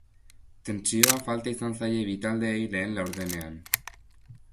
Tentsioa falta izan zaie bi taldeei lehen laurdenean.